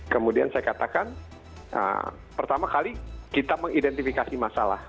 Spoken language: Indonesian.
kemudian saya katakan pertama kali kita mengidentifikasi masalah